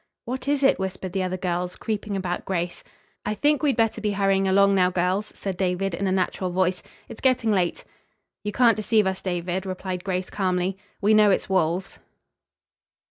"What is it?" whispered the other girls, creeping about Grace. "I think we'd better be hurrying along, now, girls," said David in a natural voice. "It's getting late." "You can't deceive us, David," replied Grace calmly. "We know it's wolves."